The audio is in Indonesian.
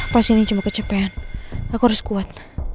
pas ini cuma kecepean aku harus kuat